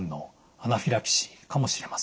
アナフィラキシーかもしれません。